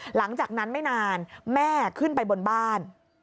หลังจากนั้นไม่นานแม่ขึ้นไปบนบ้าน